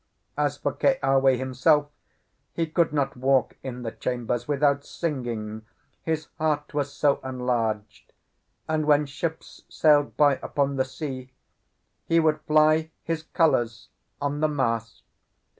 As for Keawe himself, he could not walk in the chambers without singing, his heart was so enlarged; and when ships sailed by upon the sea, he would fly his colours on the mast.